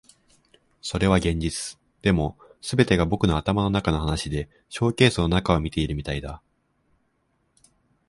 それは現実。でも、全てが僕の頭の中の話でショーケースの中を見ているみたいだ。